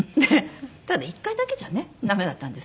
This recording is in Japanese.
ただ１回だけじゃねダメだったんですけど。